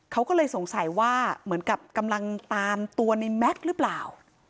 เขาก็เลยสงสัยว่าเหมือนกับกำลังตามตัวในแม็กซ์หรือเปล่า